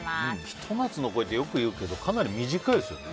ひと夏の恋ってよく言うけどかなり短いですよね